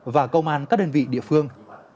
và công an các đơn vị địa phương